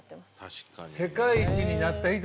確かにね。